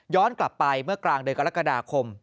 ย้อนกลับไปเมื่อกลางเดินกรกฏศาสตร์ครอม